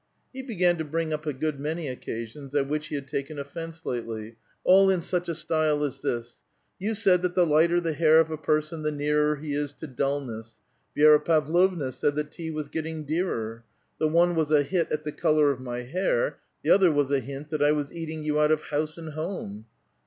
He began to bring up a good many occasions at which he had taken offence lately, all in such a style as this : "You said that the lighter the hair of a person, the nearer he is to dulness ; Vi6ra Pavlovna said that tea was getting dearer. The one was a hit at the color of my hair ; the other was a hint that I was eating you out of house and home."